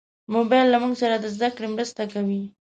موبایل له موږ سره د زدهکړې مرسته کوي.